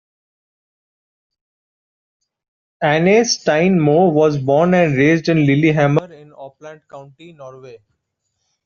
Anne Stine Moe was born and raised in Lillehammer, in Oppland county, Norway.